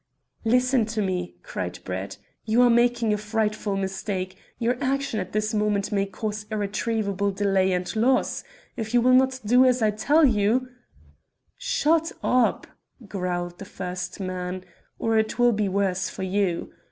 "Listen to me," cried Brett. "You are making a frightful mistake. Your action at this moment may cause irretrievable delay and loss. If you will only do as I tell you " "Shut up," growled the first man, "or it will be worse for you.